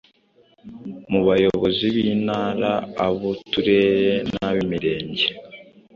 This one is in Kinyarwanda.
mu bayobozi b’Intara, ab’Uturere n’ab’Imirenge.